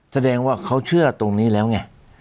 แสดงว่าเขาเชื่อตรงนี้แล้วไง